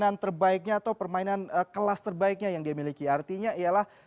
dan kelas terbaiknya atau kelas terbaiknya yang dia miliki artinya ialah